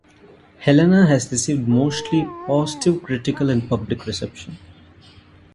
Helena has received mostly positive critical and public reception.